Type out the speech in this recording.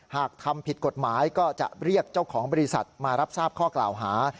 หากทำผิดกฎหมายก็จะเรียกเจ้าของบริษัทมารับทราบข้อกล่าวหา